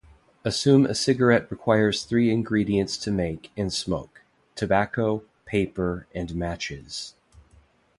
Assume a cigarette requires three ingredients to make and smoke: tobacco, paper, and matches.